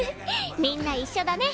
みんな一緒だね。